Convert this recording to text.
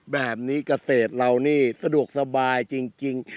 แบบนี้เกษตรเรานี่สะดวกสบายจริง